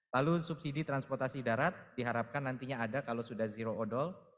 lalu subsidi transportasi darat diharapkan nantinya ada kalau sudah zero odol